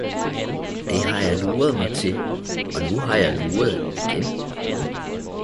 Det har jeg luret mig til og nu har jeg luret igen.